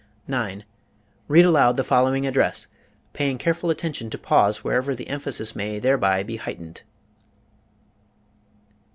Read aloud the following address, paying careful attention to pause wherever the emphasis may thereby be heightened.